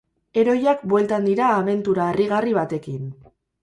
Heroiak bueltan dira abentura harrigarri batekin.